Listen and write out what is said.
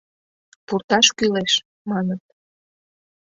— Пурташ кӱлеш, маныт.